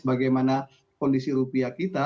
bagaimana kondisi rupiah kita